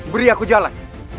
beri aku jalan